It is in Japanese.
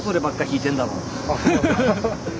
ハハハハッ。